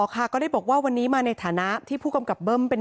ก็ได้บอกว่าวันนี้มาในฐานะที่ผู้กำกับเบิ้มเป็น